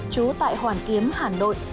chú tại hoàn kiếm hà nội